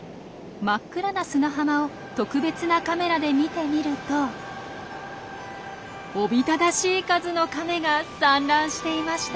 真っ暗な砂浜を特別なカメラで見てみるとおびただしい数のカメが産卵していました。